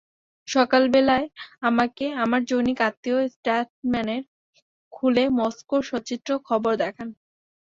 সকালবেলায় আমাকে আমার জনৈক আত্মীয় স্টেটসম্যান খুলে মস্কোর সচিত্র খবর দেখান।